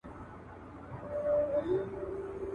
که چیرې د ټیټې کچې تجربې موجودې وې، نو پوهه به پراخه سي.